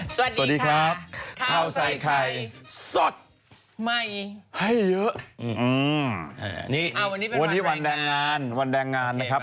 สวัสดีครับข้าวใส่ไข่สดใหม่ให้เยอะอืมนี่วันนี้วันแรงงานวันแรงงานนะครับ